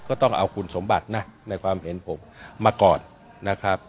ก็ต้องเอาคุณสมบัตินะในความเห็นผมมาก่อนนะครับ